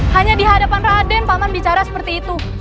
hanya di hadapan raden paman bicara seperti itu